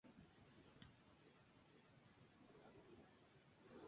El arranque de la producción se produjo con parsimonia.